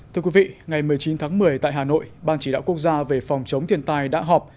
thưa quý vị ngày một mươi chín tháng một mươi tại hà nội ban chỉ đạo quốc gia về phòng chống thiên tai đã họp